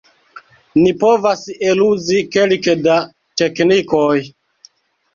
Ni povas eluzi kelke da teknikoj.